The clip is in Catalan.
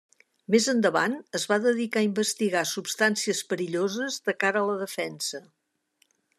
Més endavant, es va dedicar a investigar substàncies perilloses de cara a la defensa.